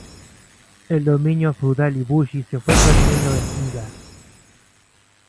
El dominio feudal y Bushi se fue perdiendo en Iga.